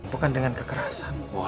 bukan dengan kekerasan